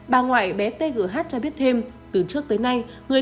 bà ngoại bé tê gỡ hát cho biết thêm từ trước tới nay